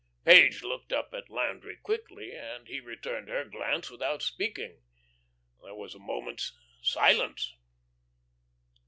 Page looked up at Landry quickly, and he returned her glance without speaking. There was a moment's silence.